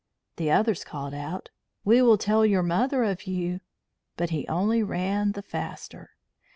The others called out: "We will tell your mother of you." But he only ran the faster.